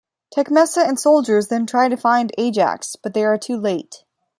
Tecmessa and soldiers then try to find Ajax, but they are too late.